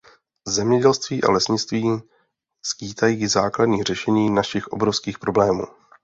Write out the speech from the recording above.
Zemědělství a lesnictví skýtají základní řešení našich obrovských problémů.